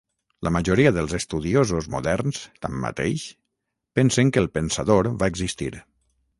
La majoria dels estudiosos moderns, tanmateix, pensen que el pensador va existir.